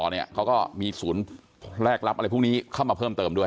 เขาก็มีศูนย์แลกรับอะไรพวกนี้เข้ามาเพิ่มเติมด้วย